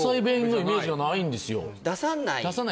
出さない？